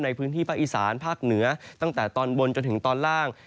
ในพื้นที่ภาคอีสานภาคเหนือตั้งแต่ตอนบนจนถึงตอนล่าง